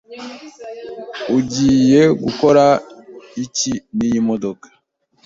Ugiye gukora iki niyi modoka?